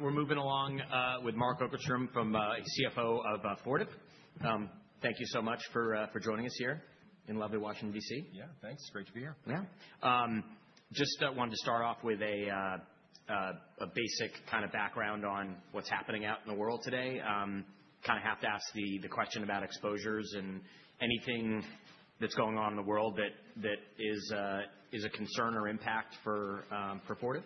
We're moving along with Mark Okerstrom from CFO of Fortive. Thank you so much for joining us here in lovely Washington, D.C. Yeah, thanks. Great to be here. Yeah. Just wanted to start off with a basic kind of background on what's happening out in the world today. Kinda have to ask the question about exposures and anything that's going on in the world that is a concern or impact for Fortive,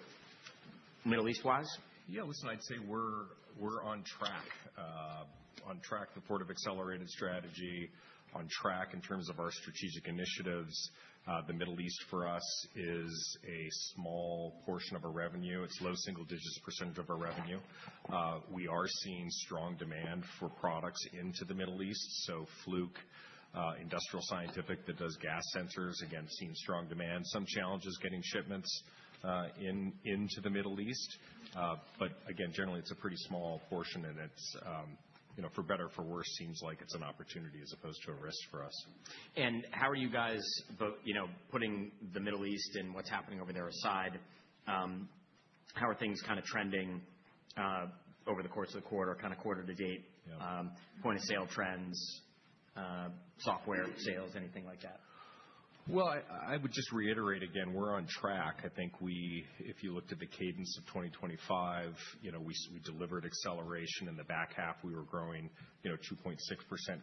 Middle East-wise. Listen, I'd say we're on track with Fortive accelerated strategy, on track in terms of our strategic initiatives. The Middle East for us is a small portion of our revenue. It's low single digits% of our revenue. We are seeing strong demand for products into the Middle East, so Fluke, Industrial Scientific that does gas sensors, again, seeing strong demand. Some challenges getting shipments into the Middle East. Again, generally, it's a pretty small portion and it's, you know, for better or for worse, seems like it's an opportunity as opposed to a risk for us. How are you guys, you know, putting the Middle East and what's happening over there aside, how are things kinda trending over the course of the quarter, kinda quarter to date? Yeah. Point of sale trends, software sales, anything like that? Well, I would just reiterate again, we're on track. I think, if you looked at the cadence of 2025, you know, we delivered acceleration in the back half. We were growing, you know, 2.6%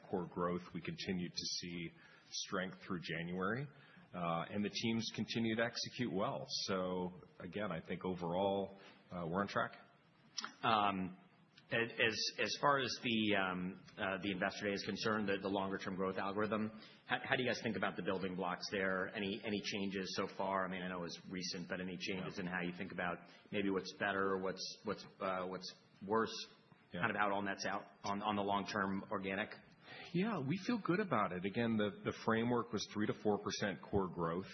core growth. We continued to see strength through January. The teams continue to execute well. Again, I think overall, we're on track. As far as the investor day is concerned, the longer term growth algorithm, how do you guys think about the building blocks there? Any changes so far? I mean, I know it's recent, but any changes? No in how you think about maybe what's better, what's worse Yeah kind of how it all nets out on the long term organic? Yeah. We feel good about it. Again, the framework was 3%-4% core growth,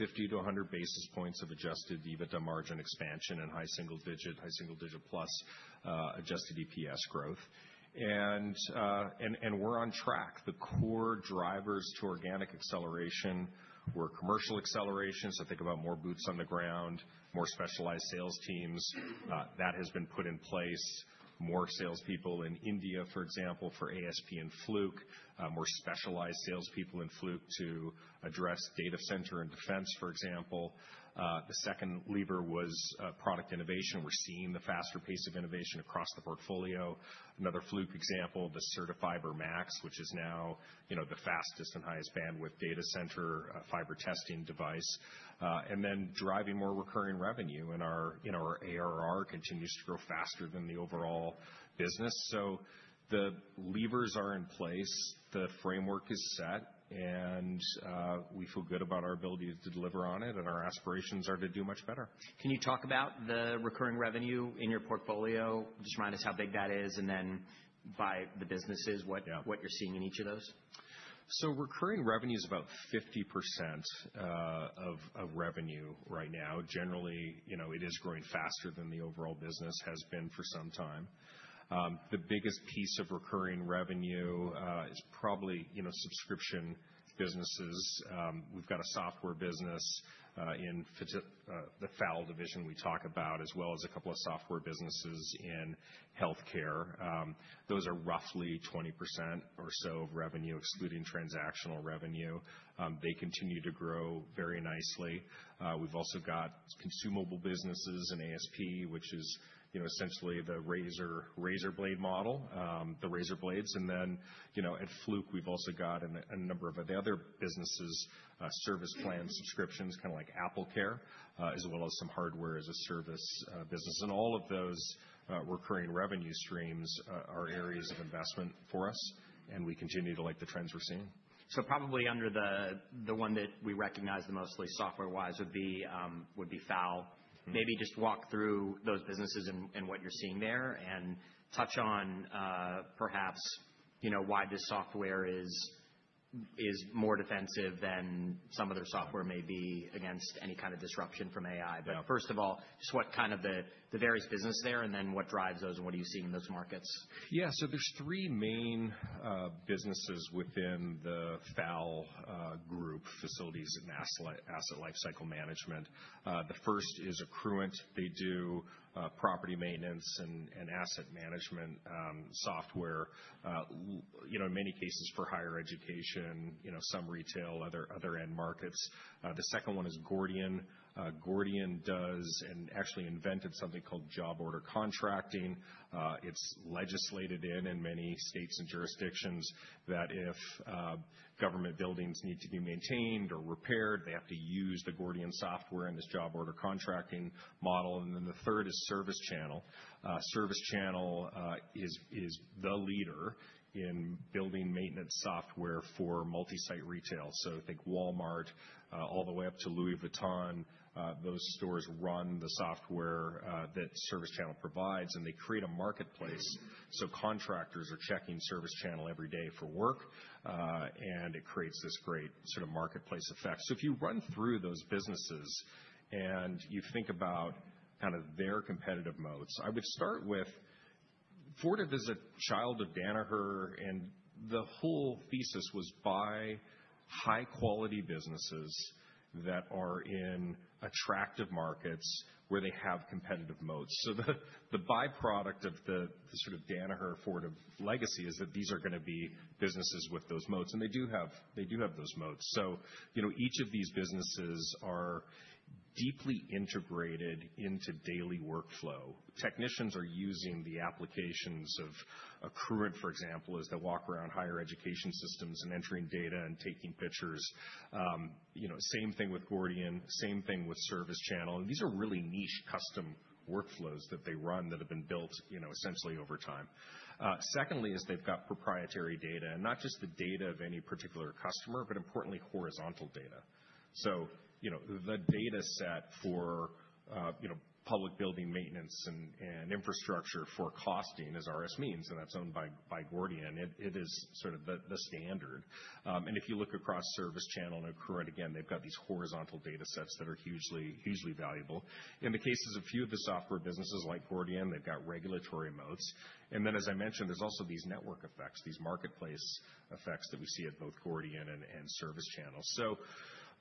50-100 basis points of adjusted EBITDA margin expansion and high single digit plus adjusted EPS growth. We're on track. The core drivers to organic acceleration were commercial acceleration. So think about more boots on the ground, more specialized sales teams that has been put in place. More salespeople in India, for example, for ASP and Fluke. More specialized salespeople in Fluke to address data center and defense, for example. The second lever was product innovation. We're seeing the faster pace of innovation across the portfolio. Another Fluke example, the CertiFiber Max, which is now, you know, the fastest and highest bandwidth data center fiber testing device. Driving more recurring revenue in our ARR continues to grow faster than the overall business. The levers are in place, the framework is set, and we feel good about our ability to deliver on it, and our aspirations are to do much better. Can you talk about the recurring revenue in your portfolio? Just remind us how big that is, and then by the businesses. Yeah what you're seeing in each of those. Recurring revenue is about 50% of revenue right now. Generally, you know, it is growing faster than the overall business, has been for some time. The biggest piece of recurring revenue is probably, you know, subscription businesses. We've got a software business in the FAL division we talk about, as well as a couple of software businesses in healthcare. Those are roughly 20% or so of revenue, excluding transactional revenue. They continue to grow very nicely. We've also got consumable businesses in ASP, which is, you know, essentially the razor blade model, the razor blades. Then, you know, at Fluke, we've also got a number of other businesses, service plan subscriptions, kinda like AppleCare, as well as some hardware as a service business. All of those recurring revenue streams are areas of investment for us, and we continue to like the trends we're seeing. Probably under the one that we recognize as the most software-wise would be FAL. Mm-hmm. Maybe just walk through those businesses and what you're seeing there and touch on, perhaps, you know, why this software is more defensive than some other software may be against any kind of disruption from AI. Yeah. First of all, just what kind of the various businesses there, and then what drives those and what are you seeing in those markets? Yeah. There's three main businesses within the FAL group, Facilities and Asset Lifecycle management. The first is Accruent. They do property maintenance and asset management software, you know, in many cases for higher education, you know, some retail, other end markets. The second one is Gordian. Gordian does and actually invented something called Job Order Contracting. It's legislated in many states and jurisdictions that if government buildings need to be maintained or repaired, they have to use the Gordian software and this Job Order Contracting model. The third is ServiceChannel. ServiceChannel is the leader in building maintenance software for multi-site retail. Think Walmart all the way up to Louis Vuitton. Those stores run the software that ServiceChannel provides, and they create a marketplace, so contractors are checking ServiceChannel every day for work, and it creates this great sort of marketplace effect. If you run through those businesses and you think about kind of their competitive modes, Fortive is a child of Danaher, and the whole thesis was buy high-quality businesses that are in attractive markets where they have competitive moats. The byproduct of the sort of Danaher Fortive legacy is that these are gonna be businesses with those moats, and they do have those moats. You know, each of these businesses are deeply integrated into daily workflow. Technicians are using the applications of Accruent, for example, as they walk around higher education systems and entering data and taking pictures. You know, same thing with Gordian, same thing with ServiceChannel. These are really niche custom workflows that they run that have been built, you know, essentially over time. Secondly is they've got proprietary data, and not just the data of any particular customer, but importantly, horizontal data. You know, the dataset for public building maintenance and infrastructure for costing is RSMeans, and that's owned by Gordian. It is sort of the standard. If you look across ServiceChannel and Accruent, again, they've got these horizontal datasets that are hugely valuable. In the cases of few of the software businesses like Gordian, they've got regulatory moats. As I mentioned, there's also these network effects, these marketplace effects that we see at both Gordian and ServiceChannel.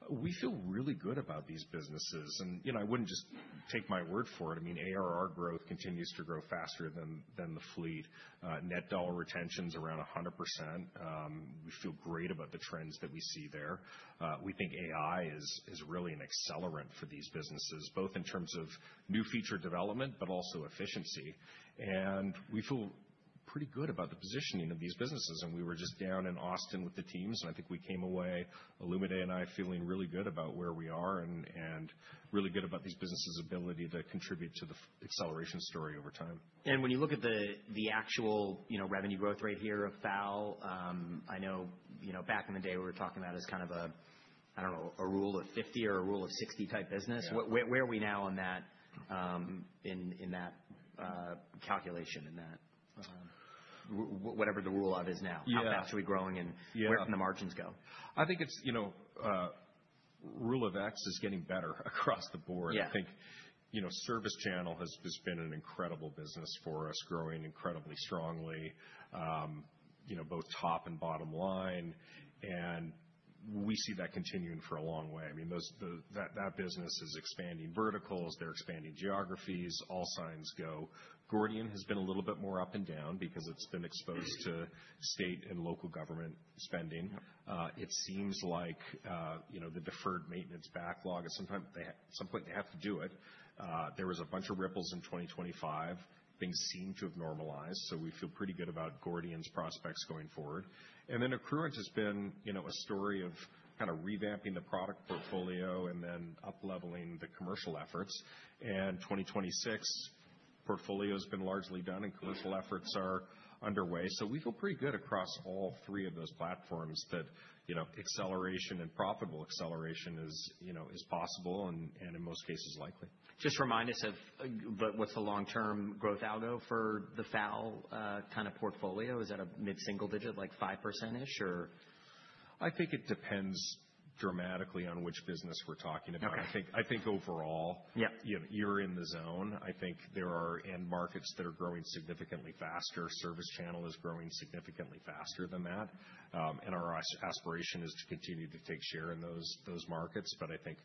We feel really good about these businesses. You know, I wouldn't just take my word for it. I mean, ARR growth continues to grow faster than the fleet. Net dollar retention's around 100%. We feel great about the trends that we see there. We think AI is really an accelerant for these businesses, both in terms of new feature development, but also efficiency. We feel pretty good about the positioning of these businesses. We were just down in Austin with the teams, and I think we came away, Olumide and I, feeling really good about where we are and really good about these businesses' ability to contribute to the acceleration story over time. When you look at the actual, you know, revenue growth rate here of FAL, I know, you know, back in the day, we were talking about as kind of a, I don't know, a rule of 50 or a rule of 60 type business. Yeah. Where are we now on that in that calculation in that? Whatever the rollout is now. Yeah. How fast are we growing? Yeah. Where can the margins go? I think it's, you know, Rule of 40 is getting better across the board. Yeah. I think, you know, ServiceChannel has been an incredible business for us, growing incredibly strongly, you know, both top and bottom line. We see that continuing for a long way. I mean, that business is expanding verticals, they're expanding geographies. All signs go. Gordian has been a little bit more up and down because it's been exposed to state and local government spending. It seems like, you know, the deferred maintenance backlog is sometimes they at some point, they have to do it. There was a bunch of ripples in 2025. Things seem to have normalized, so we feel pretty good about Gordian's prospects going forward. Accruent has been, you know, a story of kinda revamping the product portfolio and then upleveling the commercial efforts. 2026 portfolio's been largely done and commercial efforts are underway. We feel pretty good across all three of those platforms that, you know, acceleration and profitable acceleration is, you know, is possible and in most cases likely. Just remind us of what's the long-term growth algo for the FAL kinda portfolio. Is that a mid-single digit, like 5%-ish or? I think it depends dramatically on which business we're talking about. Okay. I think overall. Yeah. you know, you're in the zone. I think there are end markets that are growing significantly faster. ServiceChannel is growing significantly faster than that. Our aspiration is to continue to take share in those markets. I think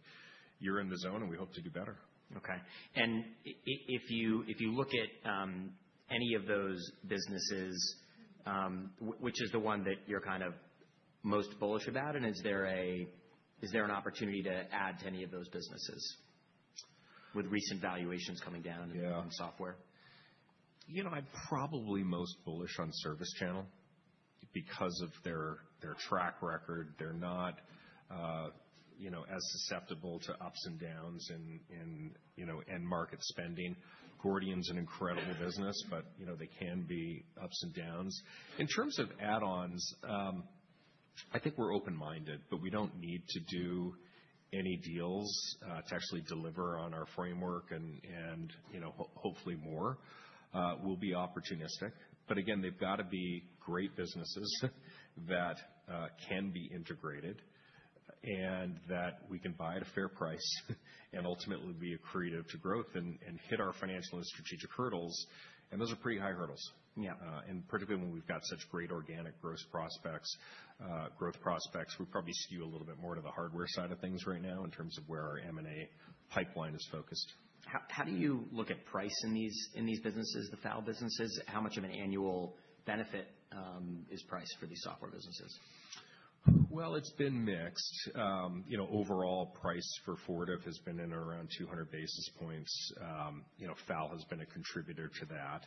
you're in the zone, and we hope to do better. Okay. If you look at any of those businesses, which is the one that you're kind of most bullish about? Is there an opportunity to add to any of those businesses with recent valuations coming down? Yeah. in software? You know, I'm probably most bullish on ServiceChannel because of their track record. They're not, you know, as susceptible to ups and downs in, you know, end market spending. Gordian's an incredible business, but, you know, they can be ups and downs. In terms of add-ons, I think we're open-minded, but we don't need to do any deals to actually deliver on our framework and, you know, hopefully more. We'll be opportunistic, but again, they've gotta be great businesses that can be integrated and that we can buy at a fair price and ultimately be accretive to growth and hit our financial and strategic hurdles, and those are pretty high hurdles. Yeah. Particularly when we've got such great organic growth prospects, we probably skew a little bit more to the hardware side of things right now in terms of where our M&A pipeline is focused. How do you look at price in these businesses, the FAL businesses? How much of an annual benefit is price for these software businesses? Well, it's been mixed. You know, overall price for Fortive has been at around 200 basis points. You know, FAL has been a contributor to that.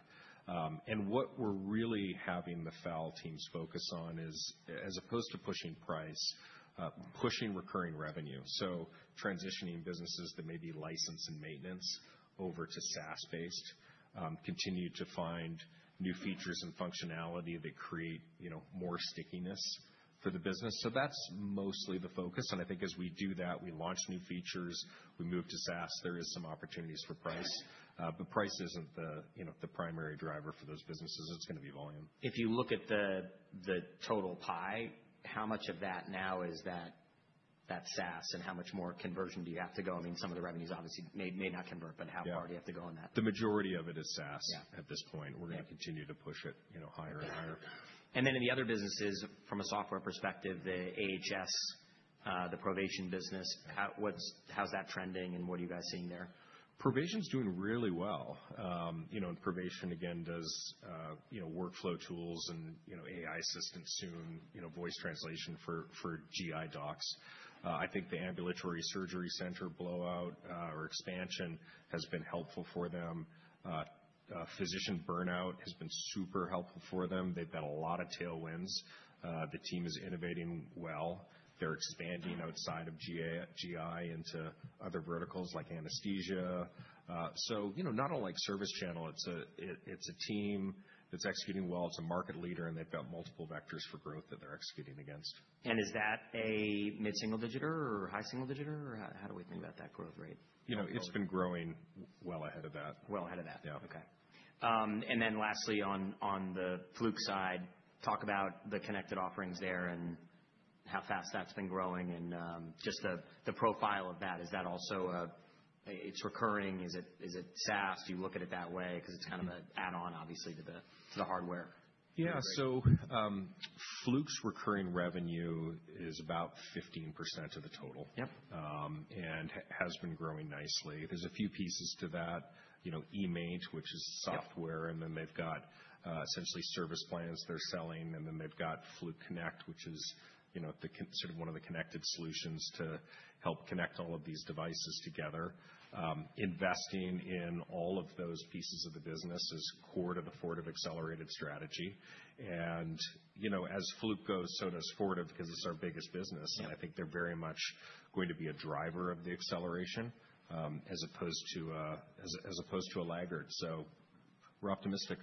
What we're really having the FAL teams focus on is, as opposed to pushing price, pushing recurring revenue, so transitioning businesses that may be license and maintenance over to SaaS-based, continue to find new features and functionality that create, you know, more stickiness for the business. That's mostly the focus, and I think as we do that, we launch new features, we move to SaaS, there is some opportunities for price. Price isn't the, you know, the primary driver for those businesses. It's gonna be volume. If you look at the total pie, how much of that now is that SaaS and how much more conversion do you have to go? I mean, some of the revenues obviously may not convert, but how far do you have to go on that? Yeah. The majority of it is SaaS- Yeah. At this point. Yeah. We're gonna continue to push it, you know, higher and higher. In the other businesses from a software perspective, the AHS, the Provation business, how's that trending and what are you guys seeing there? Provation is doing really well. You know, Provation again does you know, workflow tools and, you know, AI assistance soon, you know, voice translation for GI docs. I think the ambulatory surgery center blowout or expansion has been helpful for them. Physician burnout has been super helpful for them. They've got a lot of tailwinds. The team is innovating well. They're expanding outside of GI into other verticals like anesthesia. You know, not unlike ServiceChannel. It's a team that's executing well. It's a market leader, and they've got multiple vectors for growth that they're executing against. Is that a mid-single digit or high single digit? Or how do we think about that growth rate? You know, it's been growing well ahead of that. Well ahead of that. Yeah. Okay. Lastly on the Fluke side, talk about the connected offerings there and how fast that's been growing and just the profile of that. Is that also? It's recurring. Is it SaaS? Do you look at it that way 'cause it's kind of an add-on obviously to the hardware. Yeah. Fluke's recurring revenue is about 15% of the total. Yep. has been growing nicely. There's a few pieces to that, you know, eMaint, which is software. Yeah. They've got essentially service plans they're selling, and then they've got Fluke Connect, which is, you know, sort of one of the connected solutions to help connect all of these devices together. Investing in all of those pieces of the business is core to the Fortive accelerated strategy. You know, as Fluke goes, so does Fortive 'cause it's our biggest business. Yeah. I think they're very much going to be a driver of the acceleration, as opposed to a laggard. We're optimistic.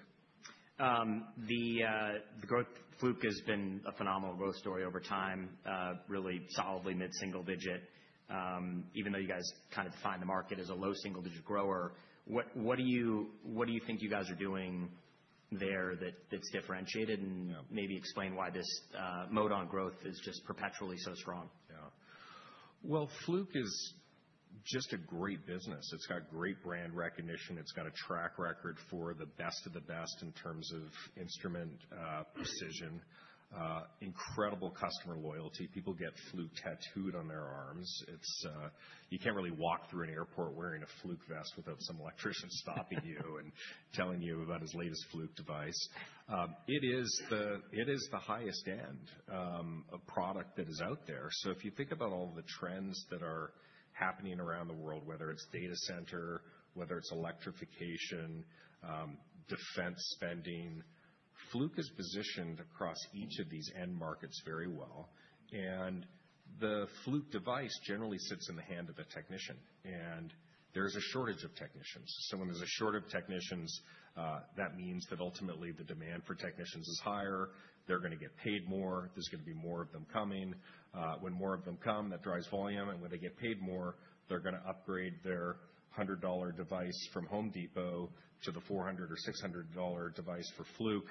The growth Fluke has been a phenomenal growth story over time, really solidly mid-single-digit. Even though you guys kind of define the market as a low single-digit grower, what do you think you guys are doing there that's differentiated? Yeah. Maybe explain why this mode of growth is just perpetually so strong. Yeah. Well, Fluke is just a great business. It's got great brand recognition. It's got a track record for the best of the best in terms of instrument precision, incredible customer loyalty. People get Fluke tattooed on their arms. You can't really walk through an airport wearing a Fluke vest without some electrician stopping you and telling you about his latest Fluke device. It is the highest end of product that is out there. If you think about all the trends that are happening around the world, whether it's data center, whether it's electrification, defense spending, Fluke is positioned across each of these end markets very well. The Fluke device generally sits in the hand of a technician, and there's a shortage of technicians. When there's a shortage of technicians, that means that ultimately the demand for technicians is higher. They're gonna get paid more. There's gonna be more of them coming. When more of them come, that drives volume. When they get paid more, they're gonna upgrade their $100 device from Home Depot to the $400 or $600 device for Fluke.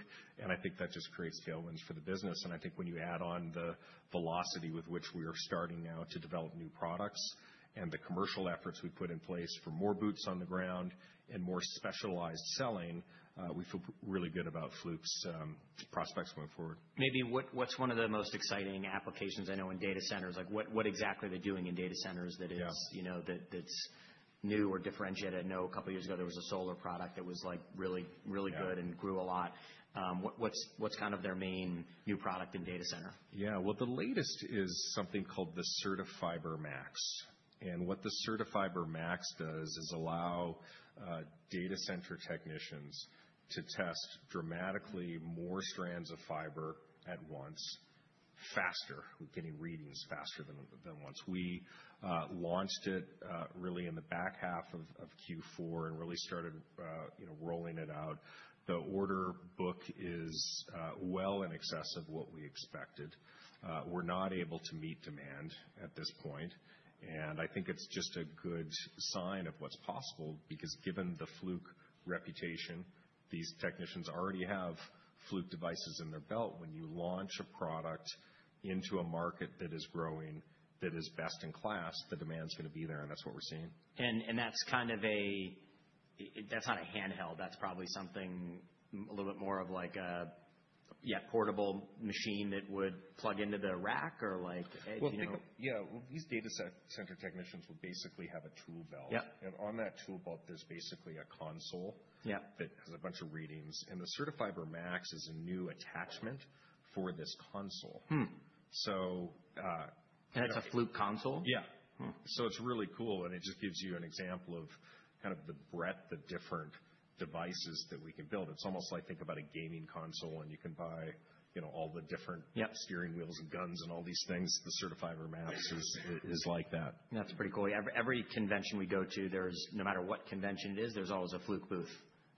I think that just creates tailwinds for the business. I think when you add on the velocity with which we are starting now to develop new products and the commercial efforts we put in place for more boots on the ground and more specialized selling, we feel really good about Fluke's prospects going forward. What's one of the most exciting applications? I know in data centers, like, what exactly are they doing in data centers that is. Yeah. You know, that's new or differentiated? I know a couple years ago there was a solar product that was, like, really good. Yeah. grew a lot. What's kind of their main new product in data center? Yeah. Well, the latest is something called the CertiFiber Max. What the CertiFiber Max does is allow data center technicians to test dramatically more strands of fiber at once faster. We're getting readings faster than once. We launched it really in the back half of Q4 and really started you know rolling it out. The order book is well in excess of what we expected. We're not able to meet demand at this point, and I think it's just a good sign of what's possible because given the Fluke reputation, these technicians already have Fluke devices in their belt. When you launch a product into a market that is growing, that is best in class, the demand's gonna be there, and that's what we're seeing. That's not a handheld. That's probably something a little bit more of like a, yeah, portable machine that would plug into the rack or like, you know. Well, yeah. Well, these data center technicians will basically have a tool belt. Yeah. On that tool belt, there's basically a console- Yeah. that has a bunch of readings, and the CertiFiber Max is a new attachment for this console. Hmm. So, uh- It's a Fluke console? Yeah. Hmm. It's really cool, and it just gives you an example of kind of the breadth of different devices that we can build. It's almost like think about a gaming console, and you can buy, you know, all the different. Yeah. steering wheels and guns and all these things. The CertiFiber Max is like that. That's pretty cool. Every convention we go to, there's no matter what convention it is, there's always a Fluke booth.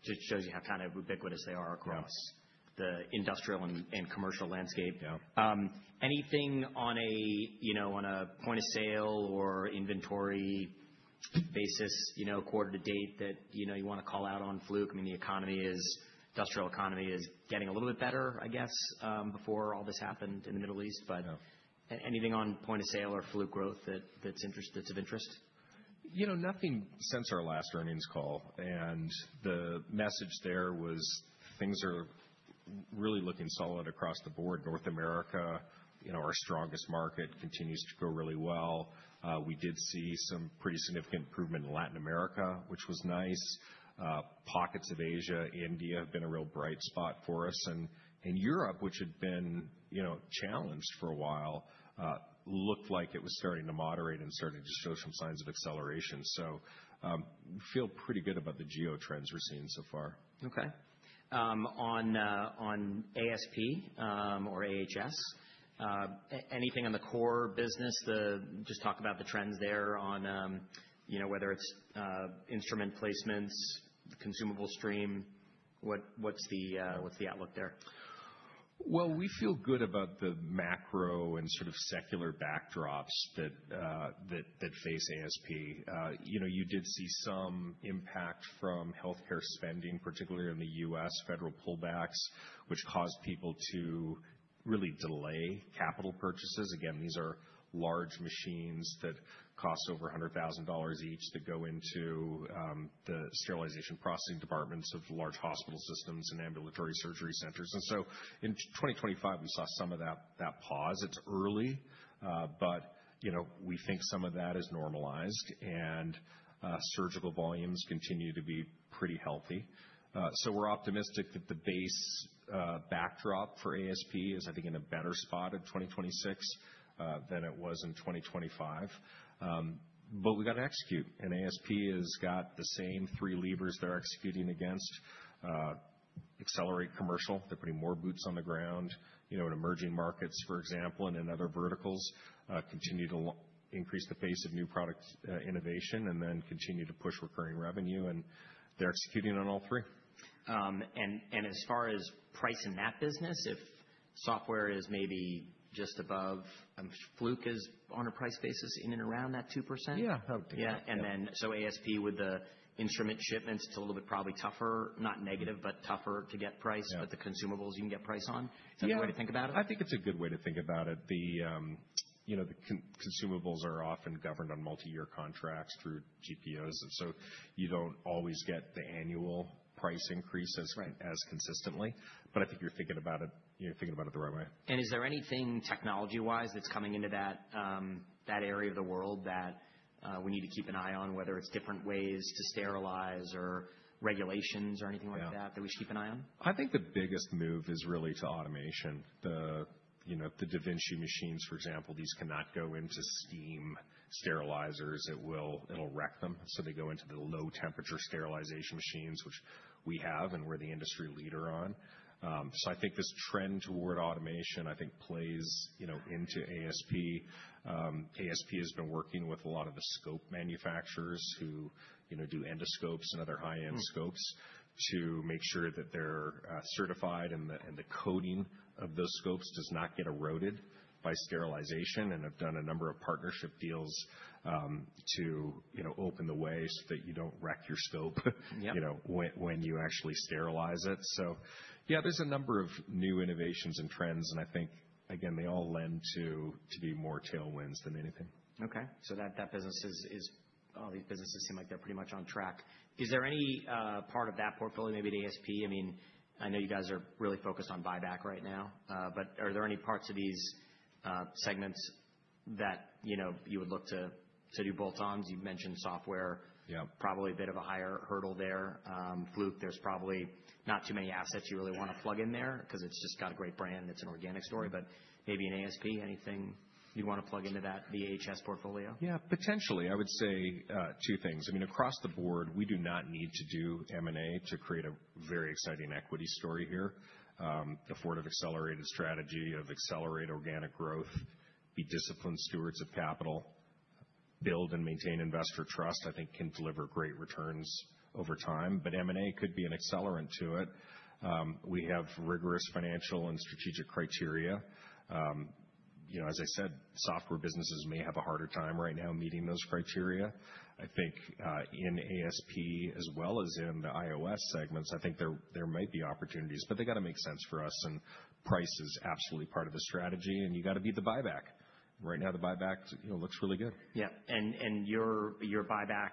Just shows you how kind of ubiquitous they are across- Yeah. the industrial and commercial landscape. Yeah. Anything on a point of sale or inventory basis, you know, quarter to date that you wanna call out on Fluke. I mean, the industrial economy is getting a little bit better, I guess, before all this happened in the Middle East. I know. Anything on point of sale or Fluke growth that's of interest? You know, nothing since our last earnings call. The message there was things are really looking solid across the board. North America, you know, our strongest market continues to grow really well. We did see some pretty significant improvement in Latin America, which was nice. Pockets of Asia, India have been a real bright spot for us. Europe, which had been, you know, challenged for a while, looked like it was starting to moderate and starting to show some signs of acceleration. Feel pretty good about the geo trends we're seeing so far. Okay. On ASP or AHS, anything on the core business? Just talk about the trends there on, you know, whether it's instrument placements, consumable stream, what's the outlook there? Well, we feel good about the macro and sort of secular backdrops that face ASP. You know, you did see some impact from healthcare spending, particularly in the U.S. federal pullbacks, which caused people to really delay capital purchases. Again, these are large machines that cost over $100,000 each to go into the sterilization processing departments of large hospital systems and ambulatory surgery centers. In 2025, we saw some of that pause. It's early, but you know, we think some of that is normalized and surgical volumes continue to be pretty healthy. We're optimistic that the base backdrop for ASP is, I think, in a better spot in 2026 than it was in 2025. We gotta execute, and ASP has got the same three levers they're executing against. Accelerate commercial. They're putting more boots on the ground, you know, in emerging markets, for example, and in other verticals. Continue to increase the pace of new products, innovation and then continue to push recurring revenue, and they're executing on all three. as far as pricing that business, if software is maybe just above, Fluke is on a price basis in and around that 2%? Yeah. Oh, yeah. ASP with the instrument shipments, it's a little bit probably tougher, not negative, but tougher to get price. Yeah. the consumables you can get price on. Yeah. Is that a good way to think about it? I think it's a good way to think about it. The, you know, the consumables are often governed on multiyear contracts through GPOs, and so you don't always get the annual price increase as Right. as consistently. I think you're thinking about it the right way. Is there anything technology-wise that's coming into that area of the world that we need to keep an eye on, whether it's different ways to sterilize or regulations or anything like that? Yeah. that we should keep an eye on? I think the biggest move is really to automation. You know, the da Vinci machines, for example, these cannot go into steam sterilizers. It'll wreck them, so they go into the low temperature sterilization machines, which we have, and we're the industry leader on. So I think this trend toward automation plays, you know, into ASP. ASP has been working with a lot of the scope manufacturers who, you know, do endoscopes and other high-end scopes to make sure that they're certified and the coding of those scopes does not get eroded by sterilization and have done a number of partnership deals to, you know, open the way so that you don't wreck your scope. Yeah. You know, when you actually sterilize it. Yeah, there's a number of new innovations and trends, and I think, again, they all lend to be more tailwinds than anything. Okay. That business is all these businesses seem like they're pretty much on track. Is there any part of that portfolio, maybe the ASP? I mean, I know you guys are really focused on buyback right now, but are there any parts of these segments that, you know, you would look to do bolt-ons? You've mentioned software. Yeah. Probably a bit of a higher hurdle there. Fluke, there's probably not too many assets you really wanna plug in there. Yeah. 'Cause it's just got a great brand and it's an organic story. Maybe in ASP, anything you wanna plug into that AHS portfolio? Yeah. Potentially. I would say two things. I mean, across the board, we do not need to do M&A to create a very exciting equity story here. Fortive accelerated strategy of accelerated organic growth, be disciplined stewards of capital, build and maintain investor trust, I think can deliver great returns over time, but M&A could be an accelerant to it. We have rigorous financial and strategic criteria. You know, as I said, software businesses may have a harder time right now meeting those criteria. I think in ASP as well as in the IOS segments, I think there might be opportunities, but they gotta make sense for us, and price is absolutely part of the strategy, and you gotta beat the buyback. Right now, the buyback you know looks really good. Yeah. Your buyback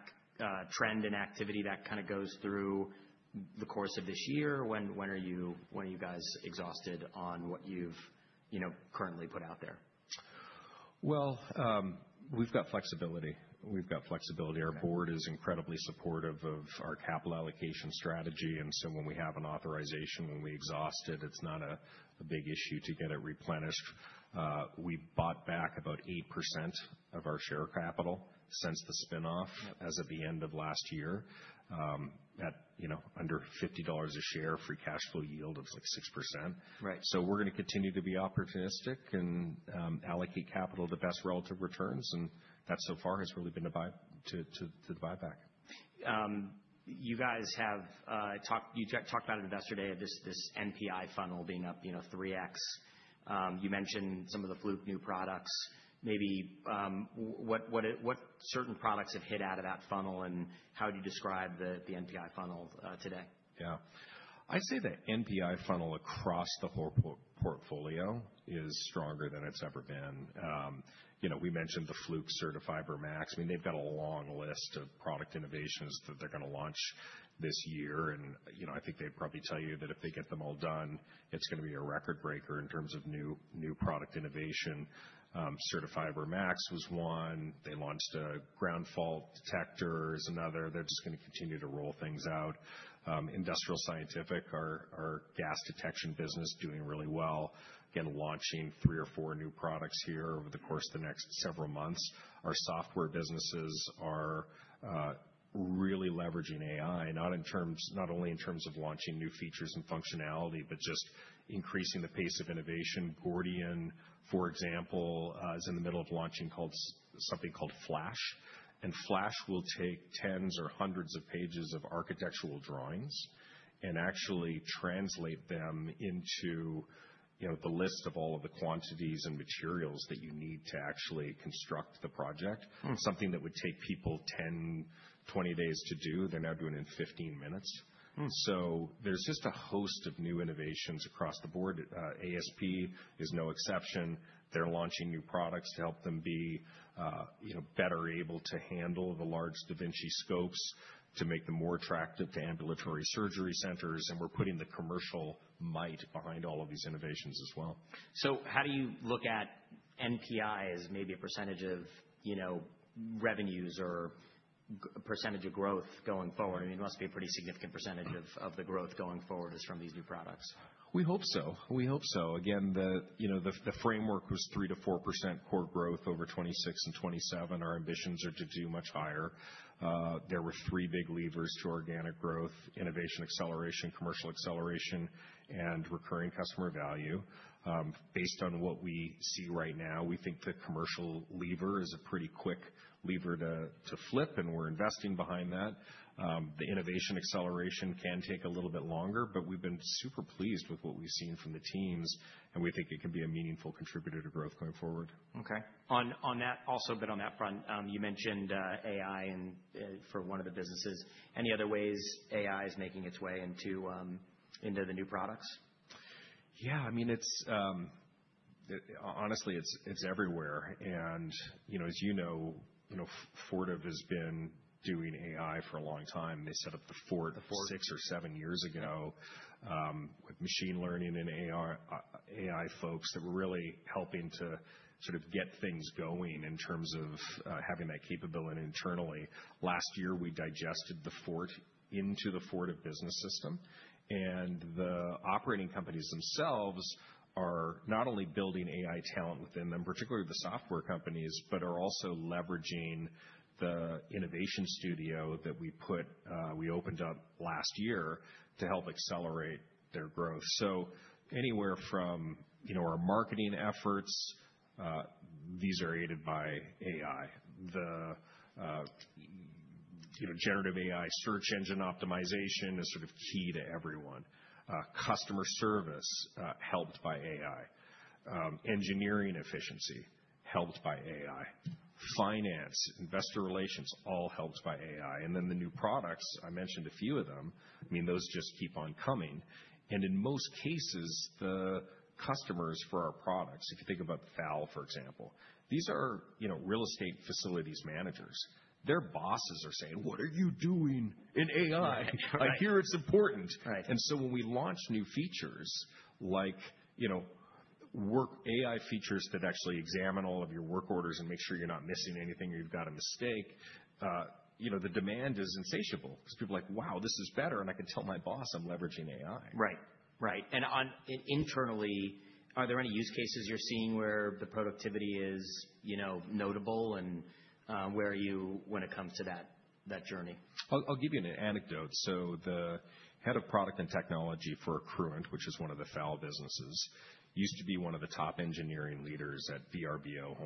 trend and activity that kinda goes through the course of this year? When are you guys exhausted on what you've you know currently put out there? Well, we've got flexibility. Okay. Our board is incredibly supportive of our capital allocation strategy, and so when we have an authorization, when we exhaust it's not a big issue to get it replenished. We bought back about 8% of our share capital since the spin-off. Yeah. As of the end of last year, you know, under $50 a share, free cash flow yield of, like, 6%. Right. We're gonna continue to be opportunistic and allocate capital to best relative returns, and that so far has really been a buyback. You guys have talked about it yesterday, this NPI funnel being up, you know, 3x. You mentioned some of the Fluke new products. Maybe what certain products have hit out of that funnel and how do you describe the NPI funnel today? Yeah. I'd say the NPI funnel across the whole portfolio is stronger than it's ever been. You know, we mentioned the Fluke CertiFiber Max. I mean, they've got a long list of product innovations that they're gonna launch this year. You know, I think they'd probably tell you that if they get them all done, it's gonna be a record breaker in terms of new product innovation. CertiFiber Max was one. They launched a ground fault detector is another. They're just gonna continue to roll things out. Industrial Scientific, our gas detection business doing really well. Again, launching 3 or 4 new products here over the course of the next several months. Our software businesses are really leveraging AI, not only in terms of launching new features and functionality, but just increasing the pace of innovation. Gordian, for example, is in the middle of launching something called Flash. Flash will take tens or hundreds of pages of architectural drawings and actually translate them into, you know, the list of all of the quantities and materials that you need to actually construct the project. Hmm. Something that would take people 10, 20 days to do, they're now doing in 15 minutes. Hmm. There's just a host of new innovations across the board. ASP is no exception. They're launching new products to help them be, you know, better able to handle the large da Vinci scopes to make them more attractive to ambulatory surgery centers, and we're putting the commercial might behind all of these innovations as well. How do you look at NPI as maybe a percentage of, you know, revenues or a percentage of growth going forward? I mean, it must be a pretty significant percentage of the growth going forward is from these new products. We hope so. Again, the framework was 3%-4% core growth over 2026 and 2027. Our ambitions are to do much higher. There were three big levers to organic growth, innovation acceleration, commercial acceleration, and recurring customer value. Based on what we see right now, we think the commercial lever is a pretty quick lever to flip, and we're investing behind that. The innovation acceleration can take a little bit longer, but we've been super pleased with what we've seen from the teams, and we think it can be a meaningful contributor to growth going forward. Okay. On that, also a bit on that front, you mentioned AI and for one of the businesses. Any other ways AI is making its way into the new products? Yeah. I mean, it's honestly, it's everywhere. You know, as you know, you know, Fortive has been doing AI for a long time. They set up the Fort. The Fort Six or seven years ago, with machine learning and AI folks that were really helping to sort of get things going in terms of having that capability internally. Last year, we digested the Fort into the Fortive Business System, and the operating companies themselves are not only building AI talent within them, particularly the software companies, but are also leveraging the innovation studio that we opened up last year to help accelerate their growth. Anywhere from, you know, our marketing efforts, these are aided by AI. You know, generative AI search engine optimization is sort of key to everyone. Customer service helped by AI. Engineering efficiency helped by AI. Finance, investor relations, all helped by AI. Then the new products, I mentioned a few of them, I mean, those just keep on coming. In most cases, the customers for our products, if you think about FAL, for example, these are, you know, real estate facilities managers. Their bosses are saying, "What are you doing in AI? Right. I hear it's important. Right. When we launch new features like, you know, work AI features that actually examine all of your work orders and make sure you're not missing anything or you've got a mistake, you know, the demand is insatiable because people are like, "Wow, this is better, and I can tell my boss I'm leveraging AI. Right. Right. Internally, are there any use cases you're seeing where the productivity is, you know, notable and where are you when it comes to that journey? I'll give you an anecdote. The head of product and technology for Accruent, which is one of the FAL businesses, used to be one of the top engineering leaders at Vrbo,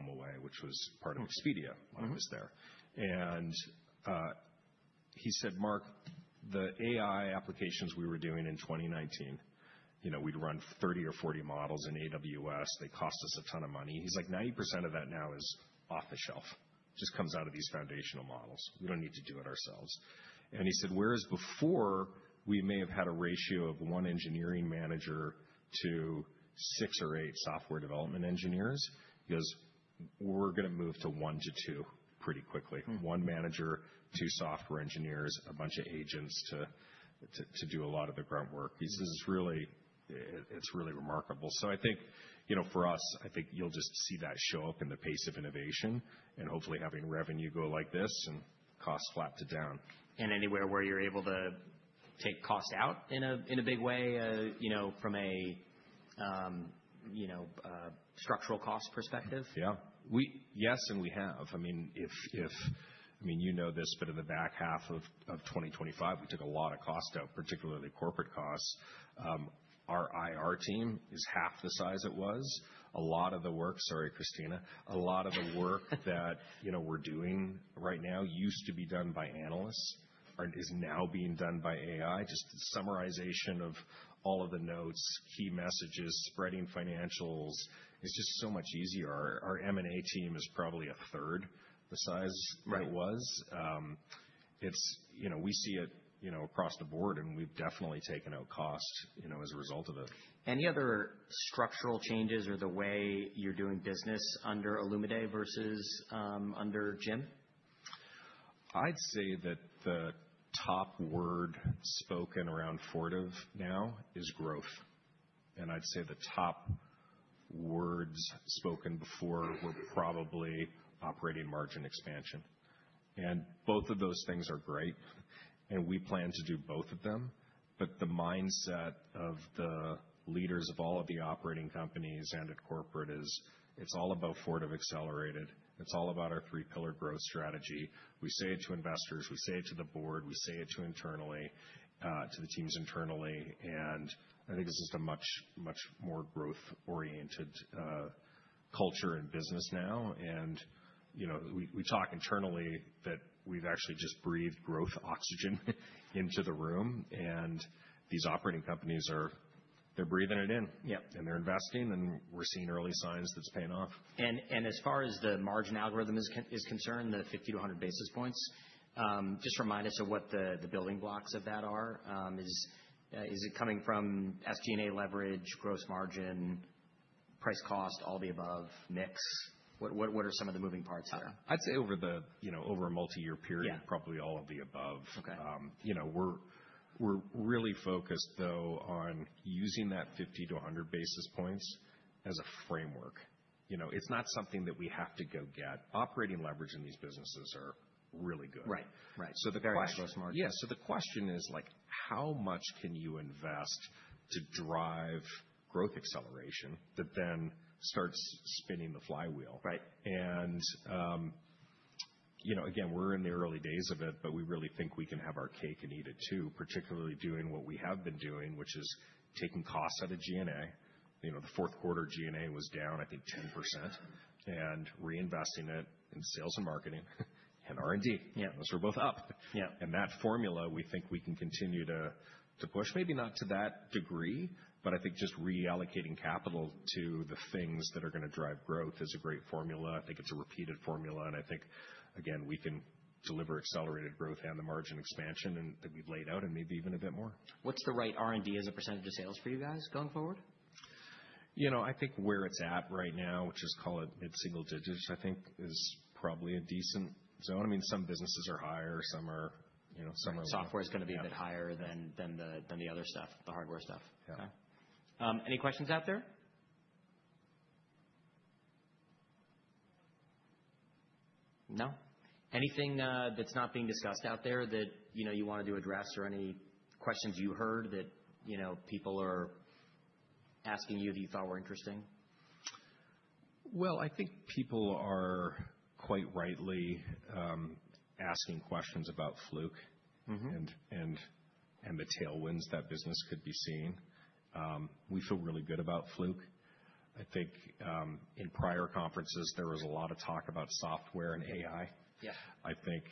which was part of Expedia. Mm-hmm When I was there. He said, "Mark, the AI applications we were doing in 2019, you know, we'd run 30 or 40 models in AWS. They cost us a ton of money." He's like, "90% of that now is off the shelf, just comes out of these foundational models. We don't need to do it ourselves." He said, "Whereas before, we may have had a ratio of one engineering manager to 6 or 8 software development engineers." He goes, "We're gonna move to 1 to 2 pretty quickly. Hmm. One manager, two software engineers, a bunch of agents to do a lot of the groundwork. He says it's really remarkable. I think, you know, for us, I think you'll just see that show up in the pace of innovation and hopefully having revenue go like this and costs flat to down. Anywhere where you're able to take cost out in a big way, you know, from a structural cost perspective? Yeah. Yes, we have. I mean, you know this, but in the back half of 2025, we took a lot of cost out, particularly corporate costs. Our IR team is half the size it was. A lot of the work. Sorry, Christina. A lot of the work that, you know, we're doing right now used to be done by analysts and is now being done by AI. Just summarization of all of the notes, key messages, spreading financials. It's just so much easier. Our M&A team is probably a third the size- Right. It's, you know, we see it, you know, across the board, and we've definitely taken out costs, you know, as a result of it. Any other structural changes or the way you're doing business under Olumide versus under Jim? I'd say that the top word spoken around Fortive now is growth. I'd say the top words spoken before were probably operating margin expansion. Both of those things are great, and we plan to do both of them. The mindset of the leaders of all of the operating companies and at corporate is it's all about Fortive accelerated. It's all about our three pillar growth strategy. We say it to investors, we say it to the board, we say it to internally, to the teams internally. I think it's just a much, much more growth-oriented, culture and business now. You know, we talk internally that we've actually just breathed growth oxygen into the room, and these operating companies are breathing it in. Yeah. They're investing, and we're seeing early signs that it's paying off. As far as the margin algorithm is concerned, the 50-100 basis points, just remind us of what the building blocks of that are. Is it coming from SG&A leverage, gross margin, price cost, all of the above, mix? What are some of the moving parts there? I'd say, you know, over a multi-year period. Yeah. Probably all of the above. Okay. You know, we're really focused though, on using that 50-100 basis points as a framework. You know, it's not something that we have to go get. Operating leverage in these businesses are really good. Right. Right. The question. gross margin. Yeah. The question is like, how much can you invest to drive growth acceleration that then starts spinning the flywheel? Right. You know, again, we're in the early days of it, but we really think we can have our cake and eat it too, particularly doing what we have been doing, which is taking costs out of G&A. You know, the Q4 G&A was down, I think 10%, and reinvesting it in sales and marketing and R&D. Yeah. Those are both up. Yeah. That formula, we think we can continue to push, maybe not to that degree, but I think just reallocating capital to the things that are gonna drive growth is a great formula. I think it's a repeated formula. I think again, we can deliver accelerated growth and the margin expansion that we've laid out and maybe even a bit more. What's the right R&D as a percentage of sales for you guys going forward? You know, I think where it's at right now, which is call it mid-single digits%, I think is probably a decent zone. I mean, some businesses are higher, some are, you know, some are lower. Software's gonna be a bit higher than the other stuff, the hardware stuff. Yeah. Okay. Any questions out there? No? Anything that's not being discussed out there that, you know, you wanted to address or any questions you heard that, you know, people are asking you that you thought were interesting? Well, I think people are quite rightly asking questions about Fluke. Mm-hmm. the tailwinds that business could be seeing. We feel really good about Fluke. I think in prior conferences, there was a lot of talk about software and AI. Yeah. I think,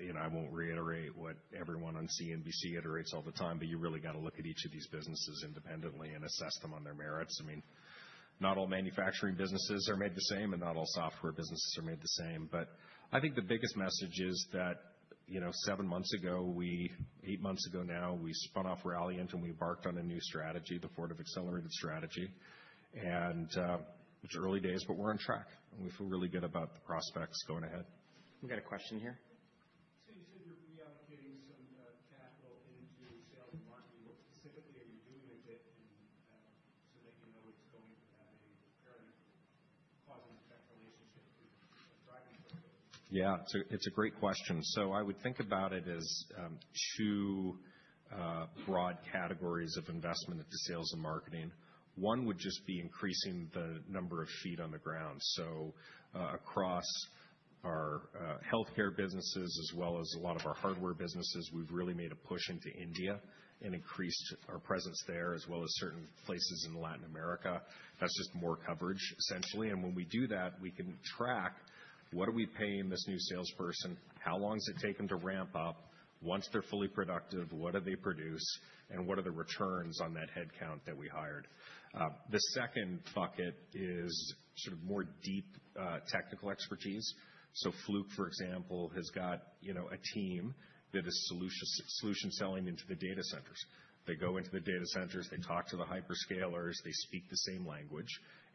you know, I won't reiterate what everyone on CNBC iterates all the time, but you really gotta look at each of these businesses independently and assess them on their merits. I mean, not all manufacturing businesses are made the same, and not all software businesses are made the same. I think the biggest message is that, you know, 7 months ago, 8 months ago now, we spun off Veralto, and we embarked on a new strategy, the Fortive Accelerated Strategy. It's early days, but we're on track, and we feel really good about the prospects going ahead. We got a question here. You said you're reallocating some capital into sales and marketing. What specifically are you doing with it and so that you know it's going to have a direct cause and effect relationship with driving growth? Yeah. It's a great question. I would think about it as two broad categories of investment into sales and marketing. One would just be increasing the number of feet on the ground. Across our healthcare businesses as well as a lot of our hardware businesses, we've really made a push into India and increased our presence there as well as certain places in Latin America. That's just more coverage, essentially. When we do that, we can track what are we paying this new salesperson? How long does it take them to ramp up? Once they're fully productive, what do they produce? What are the returns on that headcount that we hired? The second bucket is sort of more deep technical expertise. Fluke, for example, has got, you know, a team that is solution selling into the data centers. They go into the data centers, they talk to the hyperscalers, they speak the same language.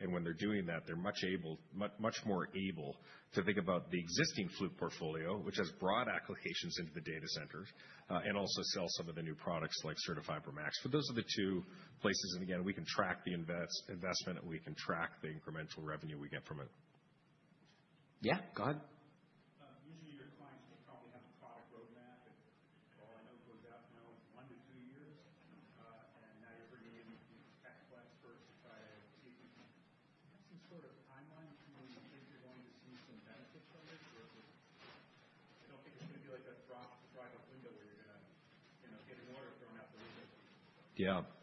When they're doing that, they're much more able to think about the existing Fluke portfolio, which has broad applications into the data centers, and also sell some of the new products like CertiFiber Max. Those are the two places, and again, we can track the investment, and we can track the incremental revenue we get from it. Yeah, go ahead. Usually your clients, they probably have a product roadmap that for all I know goes out now 1-2 years. Now you're bringing in these tech experts to try to see. Do you have some sort of timeline for when you think you're going to see some benefits from this? Or is it I don't think it's gonna be like a drop, drive-up window where you're gonna, you know, get an order and throw it out the window. Yeah.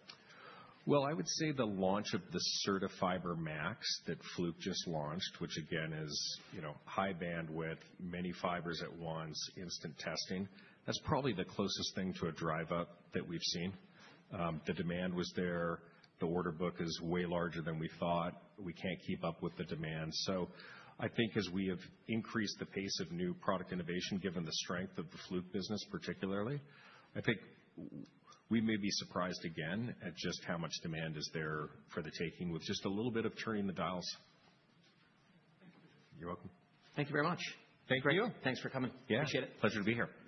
Well, I would say the launch of the CertiFiber Max that Fluke just launched, which again is, you know, high bandwidth, many fibers at once, instant testing, that's probably the closest thing to a drive-up that we've seen. The demand was there. The order book is way larger than we thought. We can't keep up with the demand. I think as we have increased the pace of new product innovation, given the strength of the Fluke business, particularly, I think we may be surprised again at just how much demand is there for the taking with just a little bit of turning the dials. Thank you. You're welcome. Thank you very much. Thank you. Thanks for coming. Yeah. Appreciate it. Pleasure to be here.